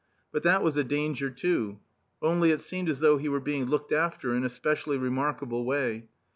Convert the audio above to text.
But that was a danger, too. Only, it seemed as though he were being looked after in a specially remarkable way.